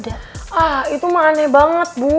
ah itu aneh banget bu